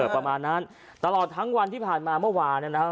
ประมาณนั้นตลอดทั้งวันที่ผ่านมาเมื่อวานนะครับ